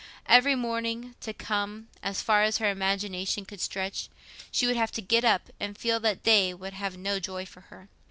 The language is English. Every morning to come, as far as her imagination could stretch, she would have to get up and feel that the day would have no joy for her.